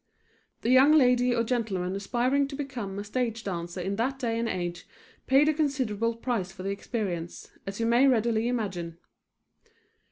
The young lady or gentleman aspiring to become a stage dancer in that day and age paid a considerable price for the experience, as you may readily imagine.